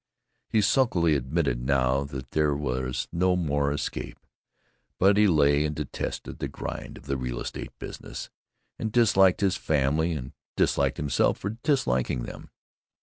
He sulkily admitted now that there was no more escape, but he lay and detested the grind of the real estate business, and disliked his family, and disliked himself for disliking them.